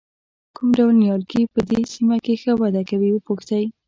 کوم ډول نیالګي په دې سیمه کې ښه وده کوي وپوښتئ.